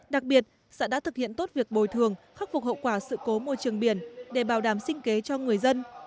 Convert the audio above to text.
đặc biệt xã đã thực hiện tốt việc bồi thường khắc phục hậu quả sự cố môi trường biển để bảo đảm sinh kế cho người dân